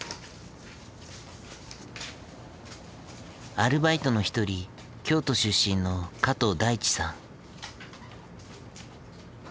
アルバイトの一人京都出身の加藤大地さん。